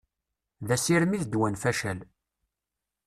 D asirem i ddwa n facal.